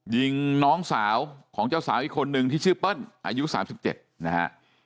ยิงน้องสาวของเจ้าสาวอีกคนนึงที่ชื่อเปิ้ลอายุ๓๗นะฮะ